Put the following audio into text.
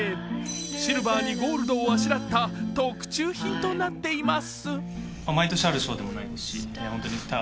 シルバーにゴールドをあしらった特注品となっています。